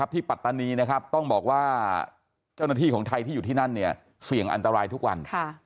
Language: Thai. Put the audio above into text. ปัตตานีนะครับต้องบอกว่าเจ้าหน้าที่ของไทยที่อยู่ที่นั่นเสี่ยงอันตรายทุกวัน